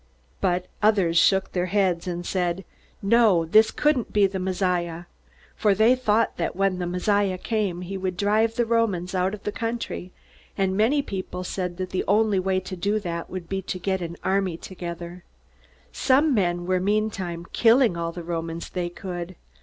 But others shook their heads and said, "No this couldn't be the Messiah!" For they thought that when the Messiah came he would drive the Romans out of the country; and many people said that the only way to do that would be to get an army together. Some men were meantime killing all the Romans they could.